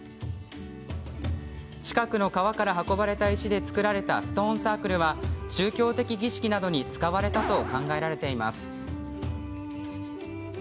近くの川から運ばれた石で作られたストーンサークルは宗教的儀式などに使われたと考えられています。